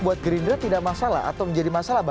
buat gerindra tidak masalah atau menjadi masalah